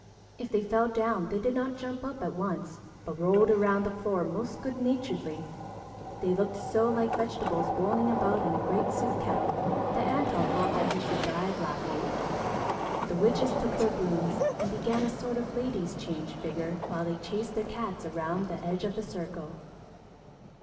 If they fell down they did not jump up at once but rolled around the floor most good naturedly. They looked so like vegetables boiling about in a great soup kettle that Antone thought he should die of laughing. The witches took their brooms and began a sort of "ladies change" figure while they chased their cats around the edge of the circle.